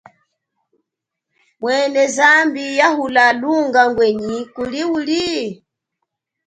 Mwene zambi yahula lunga ngwenyi kuli uli?